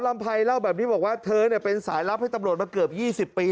ลำไพรเล่าแบบนี้บอกว่าเธอเป็นสายลับให้ตำรวจมาเกือบ๒๐ปี